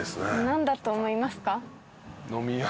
何だと思いますか？